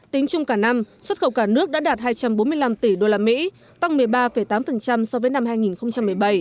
tính chung cả năm xuất khẩu cả nước đã đạt hai trăm bốn mươi năm tỷ usd tăng một mươi ba tám so với năm hai nghìn một mươi bảy